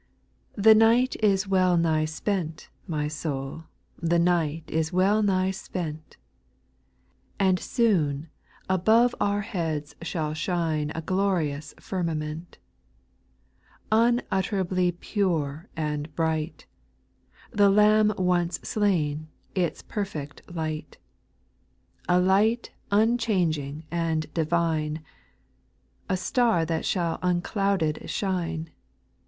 2. The night is well nigh spent, my soul. The night is well nigh spent, And soon above our heads shall shine A glorious firmament, Unutterably pure and bright, — The Lamb once slain, its perfect light, — A light unchanging and divine, A star that shall unclouded shine.